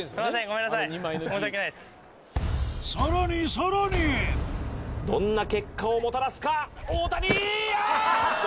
さらにどんな結果をもたらすか大谷あっと！